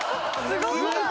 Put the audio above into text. すごい！